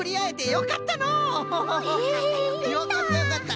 よかったよかった。